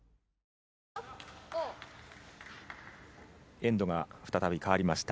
エンドが再び変わりました。